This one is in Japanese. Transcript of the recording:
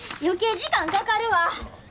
余計時間かかるわ！